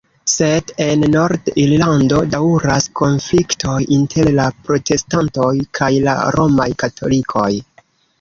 Sed en Nord-Irlando daŭras konfliktoj inter la protestantoj kaj la romaj katolikoj.